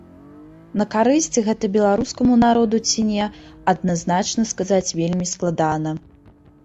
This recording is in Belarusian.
На карысць гэта беларускаму народу ці не, адназначна сказаць вельмі складана.